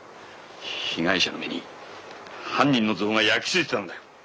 被害者の目に犯人の像が焼き付いてたんだよ。